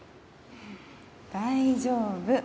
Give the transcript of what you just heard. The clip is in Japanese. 大丈夫！